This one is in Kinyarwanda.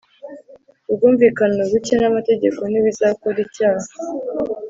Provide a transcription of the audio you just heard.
Ubwumvikane buke namategeko ntibizakora icyaha